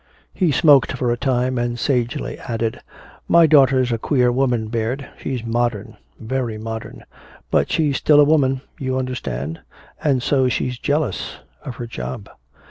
He smoked for a time, and sagely added, "My daughter's a queer woman, Baird she's modern, very modern. But she's still a woman, you understand and so she's jealous of her job."